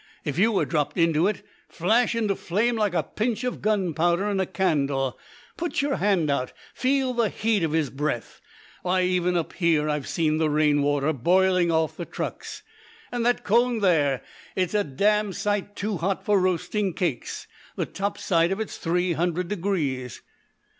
If you were dropped into it ... flash into flame like a pinch of gunpowder in a candle. Put your hand out and feel the heat of his breath. Why, even up here I've seen the rain water boiling off the trucks. And that cone there. It's a damned sight too hot for roasting cakes. The top side of it's three hundred degrees."